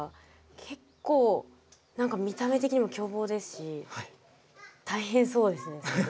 結構何か見た目的にも凶暴ですし大変そうですね。